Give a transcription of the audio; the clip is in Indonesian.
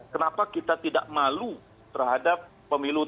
kenapa kita tidak malu terhadap pemimpin kita